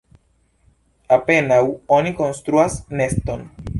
Apenaŭ oni konstruas neston.